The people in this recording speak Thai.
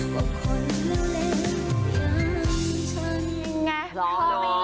โดดยังวิ่งแล้ว